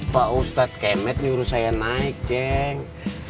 pak ustadz kemet nyuruh saya naik ceng